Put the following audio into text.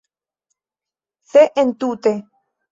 Se entute.